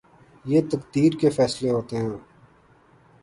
یہ تقدیر کے فیصلے ہوتے ہیں۔